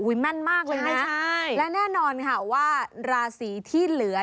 แม่นมากเลยนะใช่และแน่นอนค่ะว่าราศีที่เหลือ